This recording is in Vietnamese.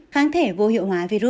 kháng thể vô hiệu hóa virus